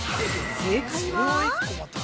◆正解は？